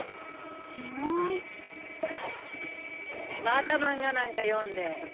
またマンガなんか読んで。